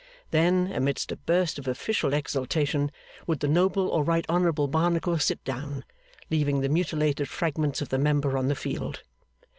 Then, amidst a burst of official exultation, would the noble or right honourable Barnacle sit down, leaving the mutilated fragments of the Member on the field.